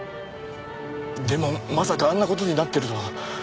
でもまさかあんな事になってるとは。